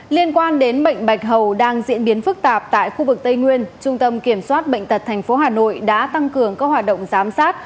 liên quan đến bệnh bạch hầu đang diễn biến phức tạp tại khu vực tây nguyên trung tâm kiểm soát bệnh tật tp hà nội đã tăng cường các hoạt động giám sát